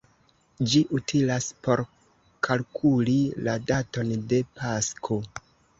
Ĝi utilas por kalkuli la daton de Pasko.